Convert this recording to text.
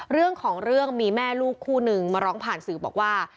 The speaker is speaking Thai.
เรื่องของเรื่องมีแม่ลูกคู่นึงมาร้องผ่านสื่อบอกว่า